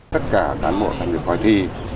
tất cả đoàn bộ thanh tra khói thi